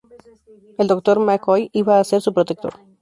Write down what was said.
El doctor McCoy iba a ser su protector.